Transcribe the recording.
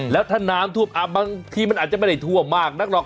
แล้วถ้าน้ำท่วมบางทีมันอาจจะไม่ได้ทั่วมากนักหรอก